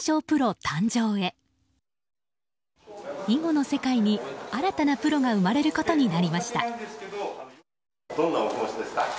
囲碁の世界に、新たなプロが生まれることになりました。